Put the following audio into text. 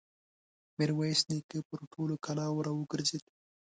ميرويس نيکه پر ټولو کلاوو را وګرځېد.